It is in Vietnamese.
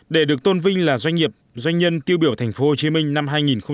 để được tôn vinh là doanh nghiệp doanh nhân tiêu biểu tp hcm năm hai nghìn một mươi chín